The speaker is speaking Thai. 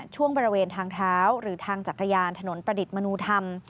ช่วงบริเวณทางเท้าหรือทางจักรยานถนนประดิษฐ์มนุธรรม